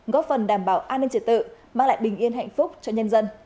góp phần đảm bảo an ninh trật tự mang lại bình yên hạnh phúc cho nhân dân